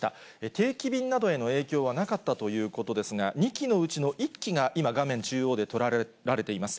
定期便などへの影響はなかったということですが、２機のうちの１機が今、画面中央で捉えられています。